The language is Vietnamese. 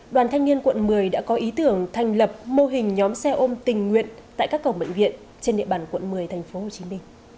đoàn thanh niên quận một mươi đã có ý tưởng thành lập mô hình nhóm xe ôm tình nguyện tại các cổng bệnh viện trên địa bàn quận một mươi tp hcm